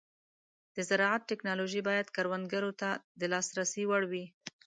د زراعت ټيکنالوژي باید کروندګرو ته د لاسرسي وړ وي.